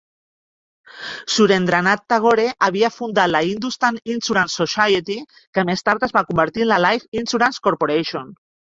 Surendranath Tagore havia fundat la Hindusthan Insurance Society, que més tard es va convertir en la Life Insurance Corporation.